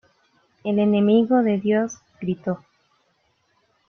El enemigo de Dios gritó.